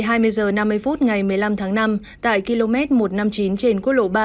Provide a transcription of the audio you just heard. hai mươi h năm mươi phút ngày một mươi năm tháng năm tại km một trăm năm mươi chín trên quốc lộ ba